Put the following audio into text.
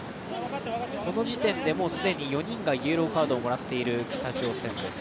この時点でもう既に４人がイエローカードをもらっている北朝鮮です。